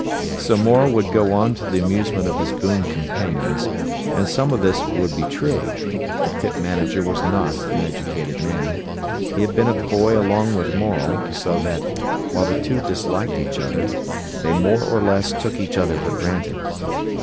'" So Morel would go on to the amusement of his boon companions. And some of this would be true. The pit manager was not an educated man. He had been a boy along with Morel, so that, while the two disliked each other, they more or less took each other for granted.